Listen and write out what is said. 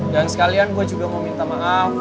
dan sekalian gue juga mau minta maaf